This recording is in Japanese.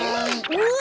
うわ！